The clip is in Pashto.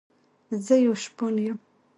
زه يو شپون يم